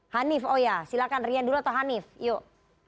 hanif oh iya silakan rian dulu atau hanif yuk